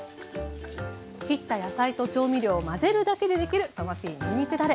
切った野菜と調味料を混ぜるだけでできるトマピーにんにくだれ。